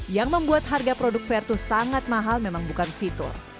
yang membuat harga produk vertus sangat mahal memang bukan fitur